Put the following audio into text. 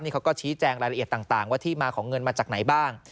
เขาก็ชี้แจงรายละเอียดต่างว่าที่มาของเงินมาจากไหนบ้าง